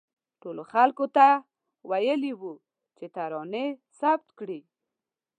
ټولو خلکو ته ویلي وو چې ترانې ثبت کړي.